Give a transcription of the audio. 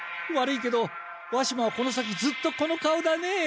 悪いけどわしもはこの先ずっとこの顔だね。